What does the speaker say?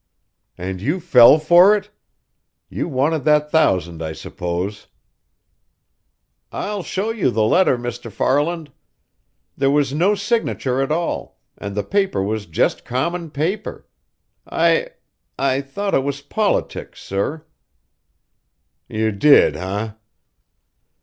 "And you fell for it? You wanted that thousand, I suppose." "I'll show you the letter, Mr. Farland. There was no signature at all, and the paper was just common paper. I I thought it was politics, sir." "You did, eh?"